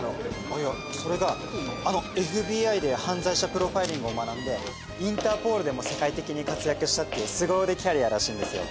いやそれがあのＦＢＩで犯罪者プロファイリングを学んでインターポールでも世界的に活躍したっていうすご腕キャリアらしいんですよ。